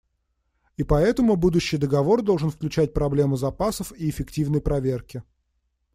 И поэтому будущий договор должен включать проблему запасов и эффективной проверки.